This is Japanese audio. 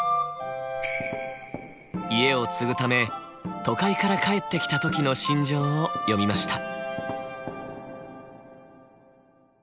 家を継ぐため都会から帰ってきた時の心情を詠みました。